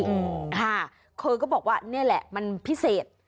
เค้าก็บอกว่านี่แหละมันพิเศษ